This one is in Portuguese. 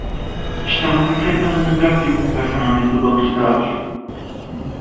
Estamos enfrentando um desafio com o versionamento do banco de dados.